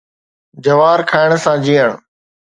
جوار کائڻ سان جيئڻ